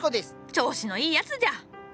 調子のいいやつじゃ！